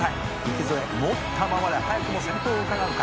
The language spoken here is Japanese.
「池添もったままで早くも先頭をうかがうか」